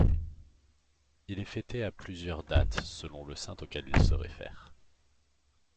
Il est fêté à plusieurs dates selon le saint auquel il se réfère.